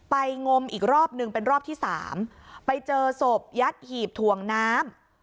งมอีกรอบนึงเป็นรอบที่สามไปเจอศพยัดหีบถ่วงน้ำ